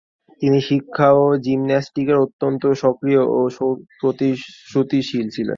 তিনি শিক্ষা এবং জিমন্যাস্টিকসে অত্যন্ত সক্রিয় ও প্রতিশ্রুতিশীল ছিলেন।